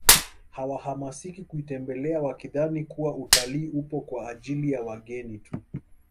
Hawahamasiki kuitembelea wakidhani kuwa utalii upo kwa ajili ya wageni tu